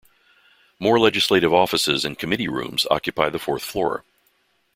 More legislative offices and committee rooms occupy the fourth floor.